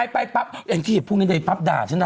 ปั๊บเนี่ยไปพี่ปั๊บ๑๕